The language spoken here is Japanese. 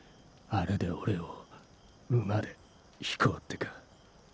あれで俺を馬で引こうってか？